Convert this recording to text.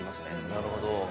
なるほど。